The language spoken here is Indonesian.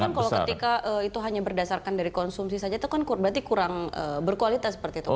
karena kan kalau ketika itu hanya berdasarkan dari konsumsi saja itu kan berarti kurang berkualitas seperti itu